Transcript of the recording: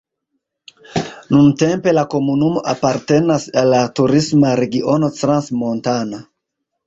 Nuntempe la komunumo apartenas al la turisma regiono Crans-Montana.